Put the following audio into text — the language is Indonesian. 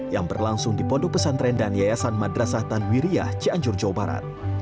yang berlangsung di pondok pesantren dan yayasan madrasah tanwiriyah cianjur jawa barat